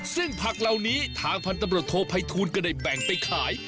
ซึ่งผักเหล่านี้ทางพันธุ์ตำรวจโทภัยทูลก็ได้แบ่งไปขาย